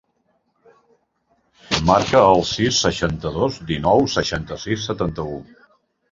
Marca el sis, seixanta-dos, dinou, seixanta-sis, setanta-u.